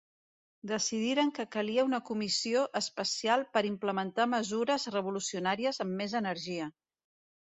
Decidiren que calia una comissió especial per implementar mesures revolucionàries amb més energia.